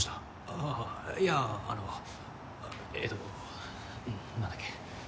あぁいやあのえっと何だっけ？